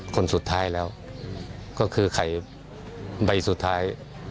คนสุดท้ายแล้วก็คือไข่ใบสุดท้าย